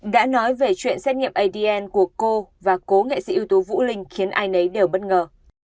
đã nói về chuyện xét nghiệm adn của cô và cố nghệ sĩ ưu tú vũ linh khiến ai nấy đều bất ngờ